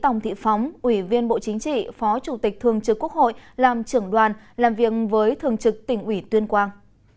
tòng thị phóng ủy viên bộ chính trị phó chủ tịch thường trực quốc hội làm trưởng đoàn làm việc với thường trực tỉnh ủy tuyên quang